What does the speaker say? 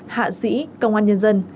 hạ sĩ công an nhân dân